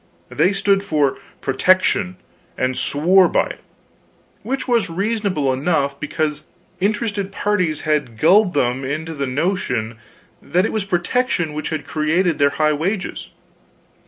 They stood for "protection," and swore by it, which was reasonable enough, because interested parties had gulled them into the notion that it was protection which had created their high wages.